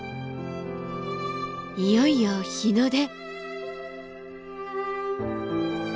いよいよ日の出。